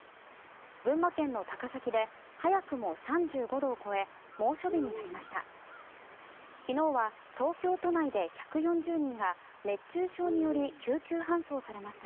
群馬県の高崎で早くも３５度を超え猛暑日になりました。